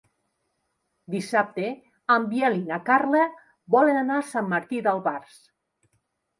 Dissabte en Biel i na Carla volen anar a Sant Martí d'Albars.